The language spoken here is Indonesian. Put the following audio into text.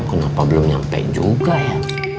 si acun kenapa belum nyampe juga ya